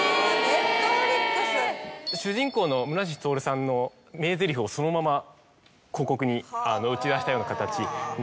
えぇ！主人公の村西とおるさんの名ゼリフをそのまま広告に打ち出したような形になってて。